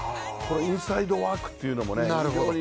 インサイドワークっていうのも非常に。